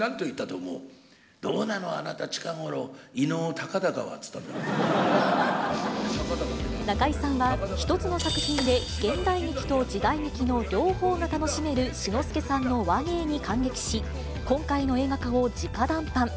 どうなの、あなた、近頃、伊能たかだかは、中井さんは、１つの作品で現代劇と時代劇の両方が楽しめる志の輔さんの話芸に感激し、今回の映画化を直談判。